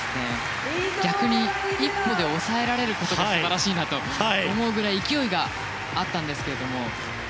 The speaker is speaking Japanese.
逆に１歩で抑えられることが素晴らしいなと思うぐらい勢いがあったんですが。